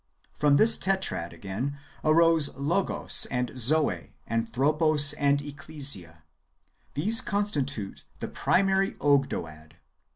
From this Tetrad, again, arose Logos and Zoe, Anthropos and Ecclesia. These constitute the primary Ogdoad.